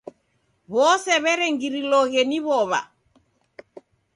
W'ose w'erengiriloghe ni w'ow'a.